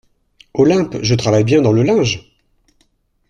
Olympe Je travaille bien dans le linge !